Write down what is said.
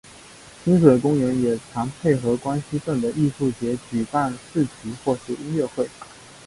亲水公园也常配合关西镇的艺术节举办市集或是音乐会。